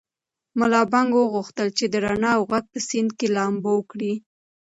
ملا بانګ غوښتل چې د رڼا او غږ په سیند کې لامبو وکړي.